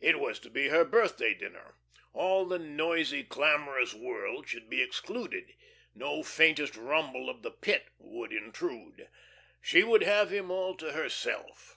It was to be her birthday dinner. All the noisy, clamourous world should be excluded; no faintest rumble of the Pit would intrude. She would have him all to herself.